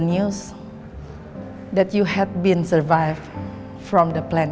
bahwa kamu sudah bertahan dari keras tanaman